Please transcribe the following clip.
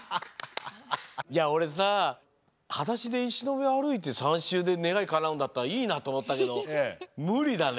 いやおれさはだしでいしのうえあるいて３しゅうでねがいかなうんだったらいいなとおもったけどむりだね。